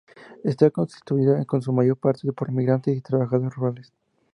Está constituido en su mayor parte por migrantes y trabajadores rurales.